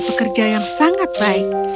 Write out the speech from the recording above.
pekerja yang sangat baik